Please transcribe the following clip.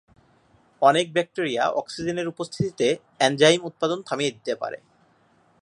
অনেক ব্যাকটেরিয়া অক্সিজেনের উপস্থিতিতে এনজাইম উৎপাদন থামিয়ে দিতে পারে।